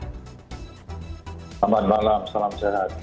selamat malam salam sehat